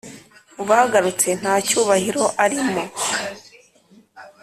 mubagarutse nta cyubahiro arimo.